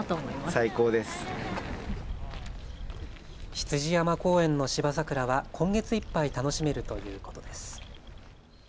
羊山公園のシバザクラは今月いっぱい楽しめるということです。